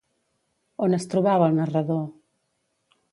On es trobava el narrador?